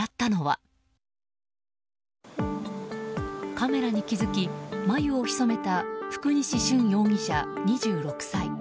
カメラに気づき眉をひそめた福西舜容疑者、２６歳。